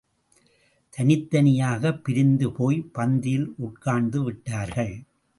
தனித்தனியாக பிரிந்து போய்ப் பந்தியில் உட்கார்ந்து விட்டார்கள்.